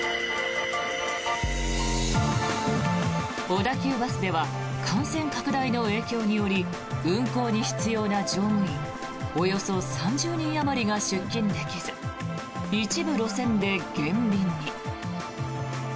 小田急バスでは感染拡大の影響により運行に必要な乗務員およそ３０人あまりが出勤できず一部路線で減便に。